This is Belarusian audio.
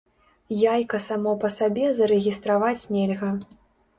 Яйка само па сабе зарэгістраваць нельга.